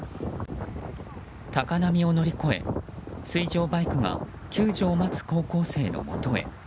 高波を乗り越え、水上バイクが救助を待つ高校生のもとへ。